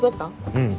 うん。